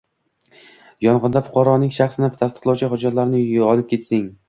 Yong‘inda fuqarolarning shaxsini tasdiqlovchi hujjatlari yonib ketding